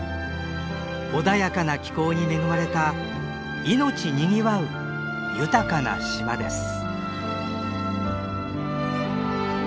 穏やかな気候に恵まれた命にぎわう豊かな島です。